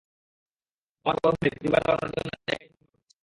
আমার বড় ভাই পরিবার চালানোর জন্য একাই সংগ্রাম করছে।